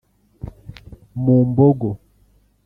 Mumbogo